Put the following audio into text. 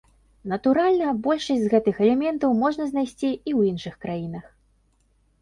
Натуральна, большасць з гэтых элементаў можна знайсці і ў іншых краінах.